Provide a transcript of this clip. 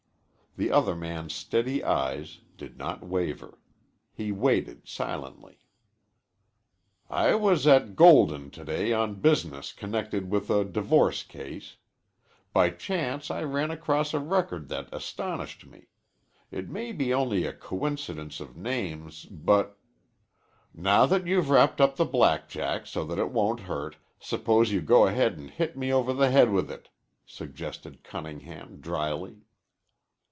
The other man's steady eyes did not waver. He waited silently. "I was at Golden to day on business connected with a divorce case. By chance I ran across a record that astonished me. It may be only a coincidence of names, but " "Now you've wrapped up the blackjack so that it won't hurt, suppose you go ahead and hit me over the head with it," suggested Cunningham dryly.